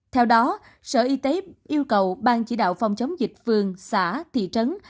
theo đó sở y tế yêu cầu ban chỉ đạo phòng chống dịch phường xã thị trấn